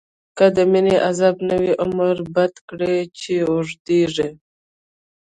که د مینی عذاب نه وی، عمر بد کړی چی اوږدیږی